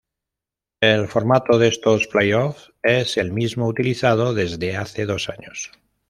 El formato de estos playoffs es el mismo utilizado desde hace dos años.